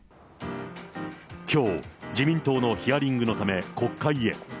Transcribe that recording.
きょう、自民党のヒアリングのため、国会へ。